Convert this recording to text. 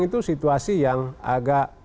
itu situasi yang agak